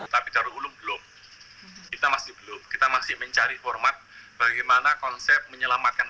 tapi darul ulum belum kita masih belum kita masih mencari format bagaimana konsep menyelamatkan